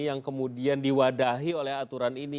yang kemudian diwadahi oleh aturan ini